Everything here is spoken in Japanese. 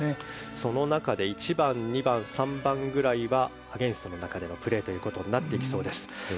その中で１番、２番、３番というのはアゲンストの中でのプレーになってきそうです。